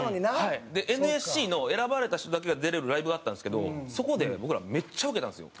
ＮＳＣの選ばれた人だけが出れるライブがあったんですけどそこで僕らめっちゃウケたんですよ。